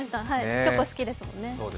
チョコ、好きですもんね。